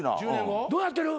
どうなってる？